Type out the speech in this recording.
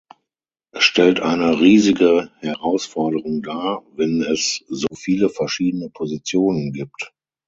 Es stellt eine riesige Herausforderung dar, wenn es so viele verschiedene Positionen gibt.